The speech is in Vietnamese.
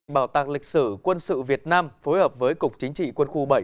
bảo tàng lịch sử quân sự việt nam phối hợp với cục chính trị quân khu bảy